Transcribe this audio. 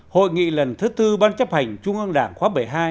hội nghị lần thứ tư ban chấp hành trung ương đảng khóa một mươi hai